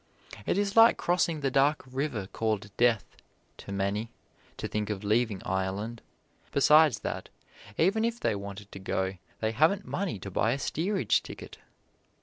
It is like crossing the dark river called Death, to many, to think of leaving Ireland besides that, even if they wanted to go they haven't money to buy a steerage ticket.